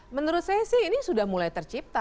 menurut saya sih ini sudah mulai tercipta